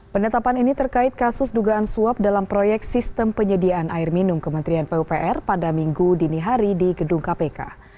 penetapan ini terkait kasus dugaan suap dalam proyek sistem penyediaan air minum kementerian pupr pada minggu dini hari di gedung kpk